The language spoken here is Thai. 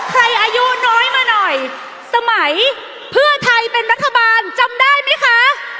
อายุน้อยมาหน่อยสมัยเพื่อไทยเป็นรัฐบาลจำได้ไหมคะ